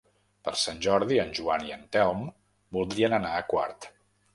Per Sant Jordi en Joan i en Telm voldrien anar a Quart.